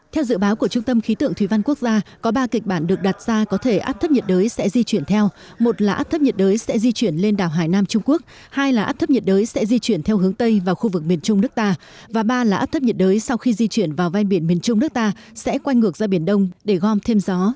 theo dự báo của trung tâm khí tượng thủy văn quốc gia có ba kịch bản được đặt ra có thể áp thấp nhiệt đới sẽ di chuyển theo một là áp thấp nhiệt đới sẽ di chuyển lên đảo hải nam trung quốc hai là áp thấp nhiệt đới sẽ di chuyển theo hướng tây vào khu vực miền trung nước ta và ba là áp thấp nhiệt đới sau khi di chuyển vào ven biển miền trung nước ta sẽ quanh ngược ra biển đông để gom thêm gió